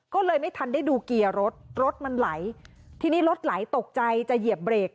ก็เลยไม่ทันได้ดูเกียร์รถรถมันไหลทีนี้รถไหลตกใจจะเหยียบเบรก